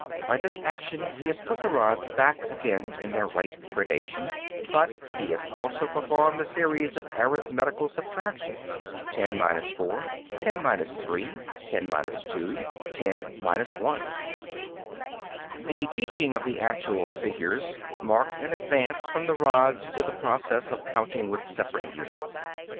By this action he has put the rods back again in their right gradation, but he has also performed a series of arithmetical subtractions, 10 4, 10 3, 10 2, 10 1. The teaching of the actual figures marks an advance from the rods to the process of counting with separate units.